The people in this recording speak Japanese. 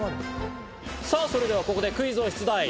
さあ、それではここでクイズを出題。